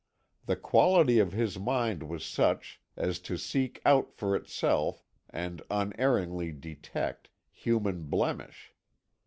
The quality of his mind was such as to seek out for itself, and unerringly detect, human blemish.